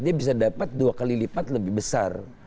jadi bisa dapat dua kali lipat lebih besar